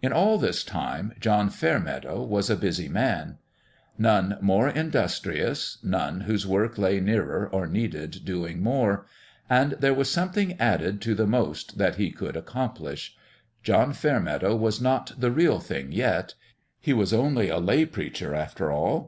In all this time John Fairmeadow was a busy man. None more industrious : none whose work lay nearer or needed doing more. And there was something added to the most that he could ac complish. John Fairmeadow was not the " real thing " yet. He was only a lay preacher, after all.